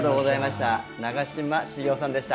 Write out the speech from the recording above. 長嶋茂雄さんでした。